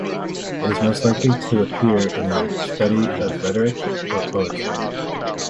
It is most likely to appear in a study of rhetoric or poetry.